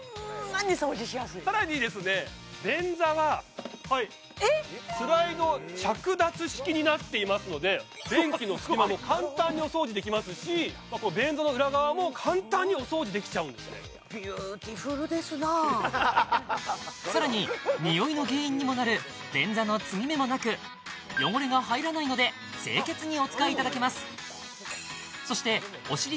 便座ははいスライド着脱式になっていますので便器の隙間も簡単にお掃除できますし便座の裏側も簡単にお掃除できちゃうんですってさらにニオイの原因にもなる便座の継ぎ目もなく汚れが入らないので清潔にお使いいただけます